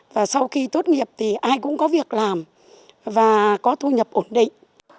và sau khi tốt nghiệp thì ai cũng có việc làm và có thu nhập ổn định